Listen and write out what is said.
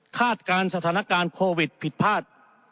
คาดการณ์สถานการณ์โควิด๑๙ผิดพลาด